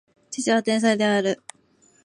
父は天才である